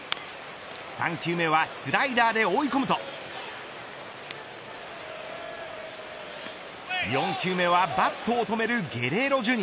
３球目はスライダーで追い込むと４球目はバットを止めるゲレーロＪｒ．。